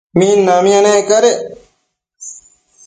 minamia nec cadec